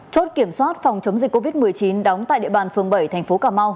chốt kiểm soát phòng chống dịch covid một mươi chín đóng tại địa bàn phường bảy thành phố cà mau